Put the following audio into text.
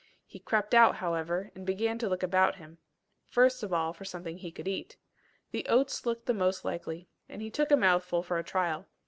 He crept out, however, and began to look about him first of all for something he could eat. The oats looked the most likely, and he took a mouthful for a trial.